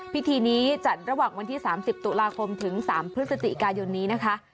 พิธีนี้จัดระหว่างวันที่๓๐ตุลาคมถึง๓พฤศจิกายนนี้นะคะ